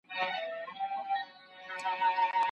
مراقبه ذهن له منفي افکارو پاکوي.